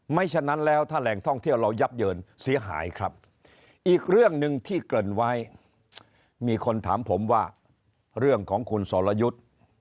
ฉะนั้นแล้วถ้าแหล่งท่องเที่ยวเรายับเยินเสียหายครับอีกเรื่องหนึ่งที่เกริ่นไว้มีคนถามผมว่าเรื่องของคุณสรยุทธ์